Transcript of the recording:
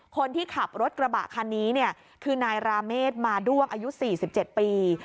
คนที่ขับรถกระบะคันนี้เนี่ยคือนายราเมฆมาด้วงอายุ๔๗ปี